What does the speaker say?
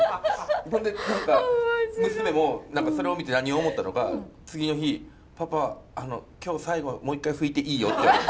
そんで何か娘もそれを見て何を思ったのか次の日「パパあの今日最後もう一回拭いていいよ」って言われて。